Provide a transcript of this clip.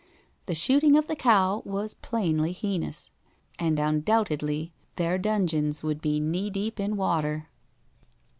The shooting of the cow was plainly heinous, and undoubtedly their dungeons would be knee deep in water.